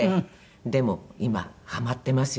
でも今ハマってますよ